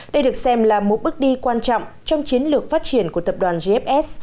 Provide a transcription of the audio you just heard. đây được xem là một bước đi quan trọng trong chiến lược phát triển của tập đoàn gfs